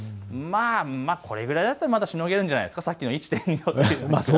これぐらいだったらまだしのげるんじゃないですか。